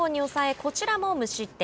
こちらも無失点。